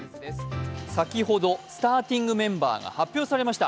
先ほどスターティングメンバーが発表されました。